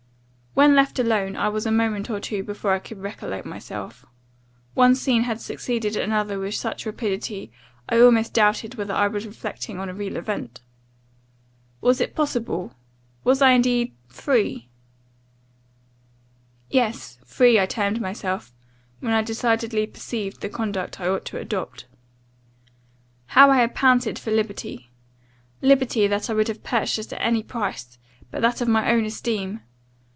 "When left alone, I was a moment or two before I could recollect myself One scene had succeeded another with such rapidity, I almost doubted whether I was reflecting on a real event. 'Was it possible? Was I, indeed, free?' Yes; free I termed myself, when I decidedly perceived the conduct I ought to adopt. How had I panted for liberty liberty, that I would have purchased at any price, but that of my own esteem!